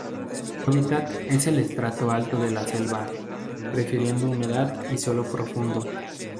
Su hábitat es el estrato alto de la selva, prefiriendo humedad y suelo profundo.